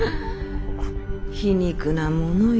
皮肉なものよ